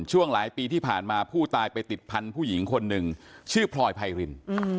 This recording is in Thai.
ช่วงหลายปีที่ผ่านมาผู้ตายไปติดพันธุ์ผู้หญิงคนหนึ่งชื่อพลอยไพริน